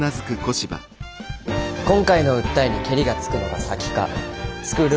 今回の訴えにケリがつくのが先かスクール